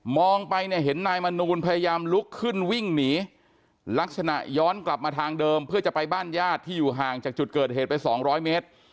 ไปเนี่ยเห็นนายมนูลพยายามลุกขึ้นวิ่งหนีลักษณะย้อนกลับมาทางเดิมเพื่อจะไปบ้านญาติที่อยู่ห่างจากจุดเกิดเหตุไปสองร้อยเมตร